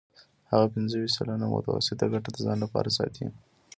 هغه پنځه ویشت سلنه متوسطه ګټه د ځان لپاره ساتي